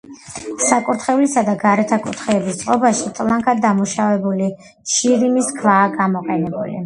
საკურთხევლისა და გარეთა კუთხეების წყობაში ტლანქად დამუშავებული შირიმის ქვაა გამოყენებული.